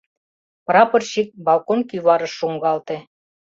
Прапорщик балкон кӱварыш шуҥгалте.